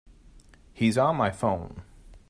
He's on my phone.